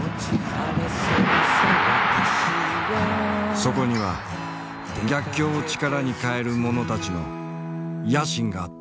そこには逆境を力に変える者たちの野心があった。